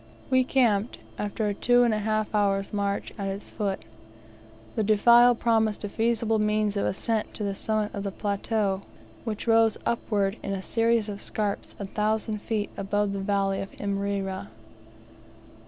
We camped, after a two and a half hours' march, at its foot. The defile promised a feasible means of ascent to the summit of the plateau, which rose upward in a series of scarps a thousand feet above the valley of Imrera.